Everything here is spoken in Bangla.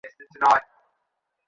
যা খুশি হোক, সমস্যা নেই।